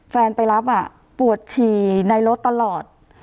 แฟนไปรับปวดฉี่ในรถตลอด